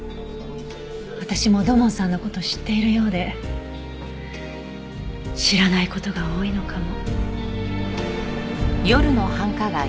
私も土門さんの事知っているようで知らない事が多いのかも。